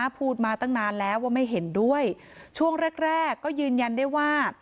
พูดมาตั้งนานแล้วว่าไม่เห็นด้วยช่วงแรกแรกก็ยืนยันได้ว่า